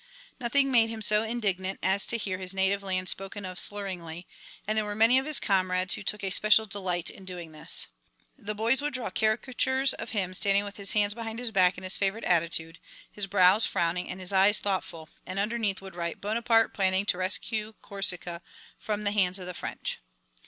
Nothing made him so indignant as to hear his native land spoken of slurringly, and there were many of his comrades who took a special delight in doing this. The boys would draw caricatures of him standing with his hands behind his back in his favorite attitude, his brows frowning, and his eyes thoughtful, and underneath would write "Bonaparte planning to rescue Corsica from the hands of the French."